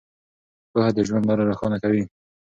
پوهه د ژوند لاره روښانه کوي.